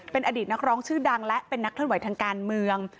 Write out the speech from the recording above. เป็นอดีตนักร้องชื่อดังและเป็นนักเคลื่อนไหวทางการเมือง